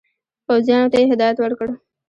پوځیانو ته یې هدایت ورکړ.